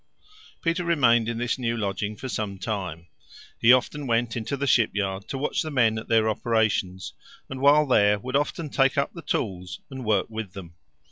Peter remained in this new lodging for some time. He often went into the ship yard to watch the men at their operations, and while there would often take up the tools and work with them.